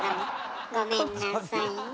ごめんなさいね。